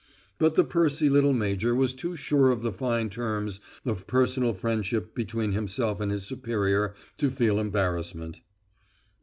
But the pursy little major was too sure of the fine terms of personal friendship between himself and his superior to feel embarrassment.